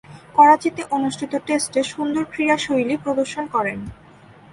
করাচীতে অনুষ্ঠিত টেস্টে সুন্দর ক্রীড়াশৈলী প্রদর্শন করেন।